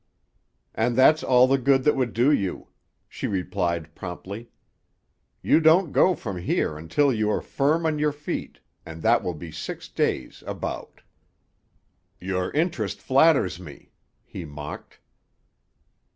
"And that's all the good that would do you," she replied promptly. "You don't go from here until you are firm on your feet, and that will be six days, about." "Your interest flatters me," he mocked.